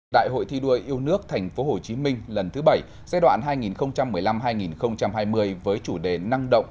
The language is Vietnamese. đại hội thi đua yêu nước tp hcm lần thứ bảy giai đoạn hai nghìn một mươi năm hai nghìn hai mươi với chủ đề năng động